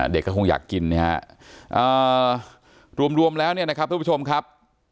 เด็กก็คงอยากกินนะครับรวมแล้วนะครับทุกผู้ชมครับ